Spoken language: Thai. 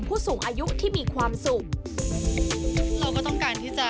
ผู้สูงอายุที่มีความสุข